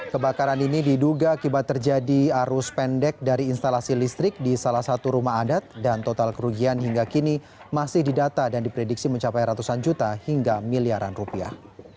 kebakaran ini diduga akibat terjadi arus pendek dari instalasi listrik di salah satu rumah adat dan total kerugian hingga kini masih didata dan diprediksi mencapai ratusan juta hingga miliaran rupiah